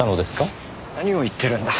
何を言ってるんだ。